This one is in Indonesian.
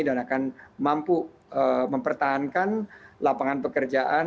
dan akan mampu mempertahankan lapangan pekerjaan dan sebagainya